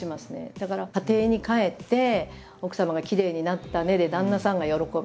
だから家庭に帰って奥様が「きれいになったね」で旦那さんが喜ぶ。